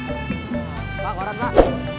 pak koran pak